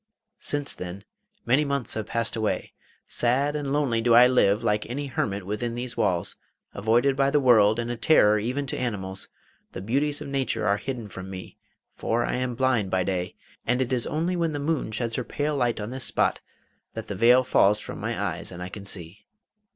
'Since then many months have passed away. Sad and lonely do I live like any hermit within these walls, avoided by the world and a terror even to animals; the beauties of nature are hidden from me, for I am blind by day, and it is only when the moon sheds her pale light on this spot that the veil falls from my eyes and I can see.